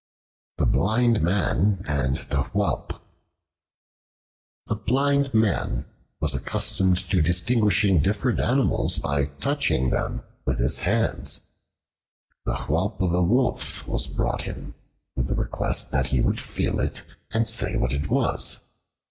The Blind Man and the Whelp A BLIND MAN was accustomed to distinguishing different animals by touching them with his hands. The whelp of a Wolf was brought him, with a request that he would feel it, and say what it was.